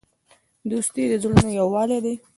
دوستي د زړونو یووالی دی.